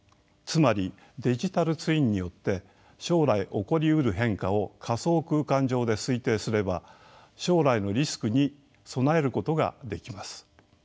つまりデジタルツインによって将来起こりうる変化を仮想空間上で推定すれば将来のリスクに備えることができます。